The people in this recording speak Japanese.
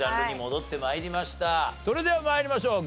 それでは参りましょう。